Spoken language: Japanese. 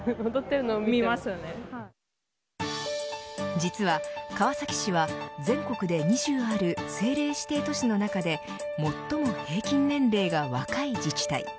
実は川崎市は全国で２０ある政令指定都市の中で最も平均年齢が若い自治体。